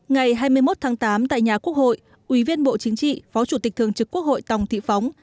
ngày hai mươi một tháng tám tại nhà quốc hội ủy viên bộ chính trị phó chủ tịch thường trực quốc hội tòng thị phóng